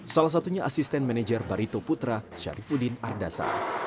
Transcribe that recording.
salah satunya asisten manajer barito putra syarifudin ardasa